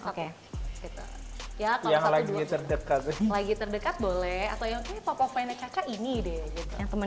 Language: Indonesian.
satu ya kalau lagi terdekat lagi terdekat boleh atau yang pop up ini deh yang temen